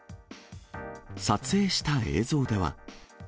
撮影した映像では。